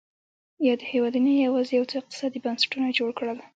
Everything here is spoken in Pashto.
یادو هېوادونو یوازې یو څو اقتصادي بنسټونه جوړ کړل.